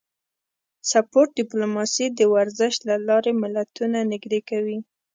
سپورت ډیپلوماسي د ورزش له لارې ملتونه نږدې کوي